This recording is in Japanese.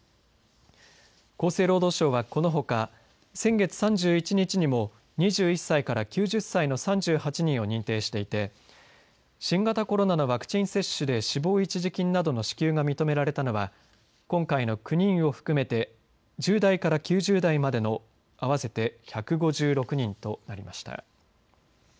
厚生労働省は、このほか先月３１日にも２１歳から９０歳の３８人を認定していて新型コロナのワクチン接種で死亡一時金などの支給が認められたのは今回の９人を含めて１０代から９０代までの合わせて１５６人となりました。